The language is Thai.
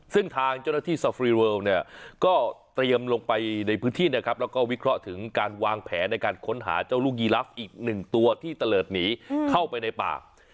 ซึ่งทางเจ้าหน้าที่ซาฟรีเวิลเนี่ยก็เตรียมลงไปในพื้นที่นะครับแล้วก็วิเคราะห์ถึงการวางแผนในการค้นหาเจ้าลูกยีลับอีกหนึ่งตัวที่ตะเลิศหนีเข้าไปในป่า